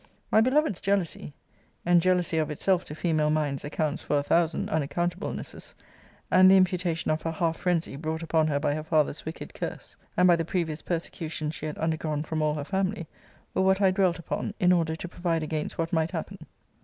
'My beloved's jealousy, [and jealousy of itself, to female minds, accounts for a thousand unaccountablenesses,] and the imputation of her half phrensy, brought upon her by her father's wicked curse, and by the previous persecutions she had undergone from all her family, were what I dwelt upon, in order to provide against what might happen.'